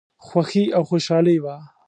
خوښي او خوشالي وه.